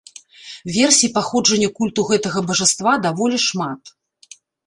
Версій паходжання культу гэтага бажаства даволі шмат.